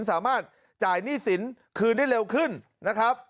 สามารถจ่ายหนี้สินคืนได้เร็วขึ้นนะครับ